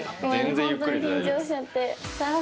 緊張しちゃって、全然。